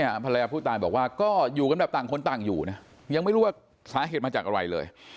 ภรรยาผู้ตายบอกว่าก็อยู่กันแบบต่างคนต่างอยู่นะยังไม่รู้ว่าสาเหตุมาจากอะไรเลย